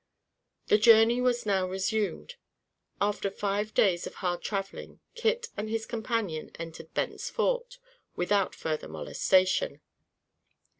The journey was now resumed. After five days of hard traveling, Kit and his companion entered Bent's Fort, without further molestation.